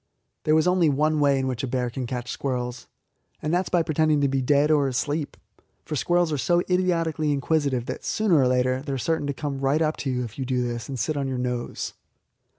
There is only one way in which a bear can catch squirrels, and that is by pretending to be dead or asleep; for squirrels are so idiotically inquisitive that sooner or later they are certain to come right up to you if you do this, and sit on your nose.